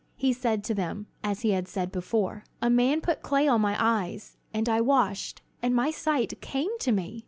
He said to them, as he had said before: "A man put clay on my eyes, and I washed, and my sight came to me."